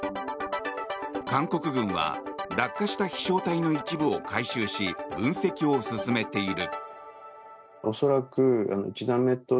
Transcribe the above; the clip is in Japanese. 韓国軍は落下した飛翔体の一部を回収し分析を進めている。